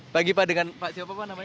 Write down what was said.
pagi pak dengan siapa pak